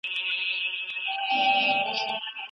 په دې مرحله کي د بشر ذهن پدیدې پرتله کوي.